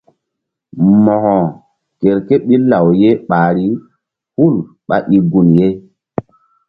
Mo̧ko ker ké ɓil law ye ɓahri hul ɓá i gun ye.